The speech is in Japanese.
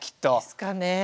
ですかね。